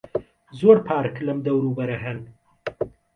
زۆر پارک لەم دەوروبەرە هەن.